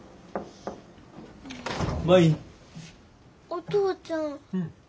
お父ちゃん。